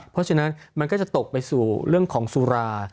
เพราะฉะนั้นมันก็จะตกไปสู่เรื่องของสุรา